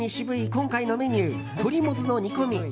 今回のメニュー鶏もつの煮込み。